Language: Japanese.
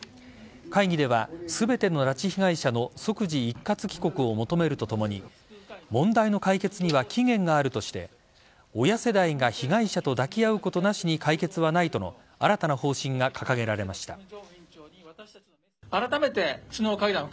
会議では全ての拉致被害者の即時一括帰国を求めるとともに問題の解決には期限があるとして親世代が被害者と抱き合うことなしに解決はないとの新たな方針が掲げられました。